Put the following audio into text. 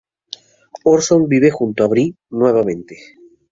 Orson vive junto a Bree nuevamente.